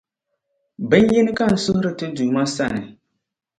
Bin’ yini ka n suhiri Ti Duuma sani.